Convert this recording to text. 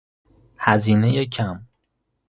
هزینهی کم